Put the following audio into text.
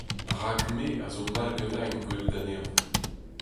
Rak me a zo mall ganin gwelout anezhañ.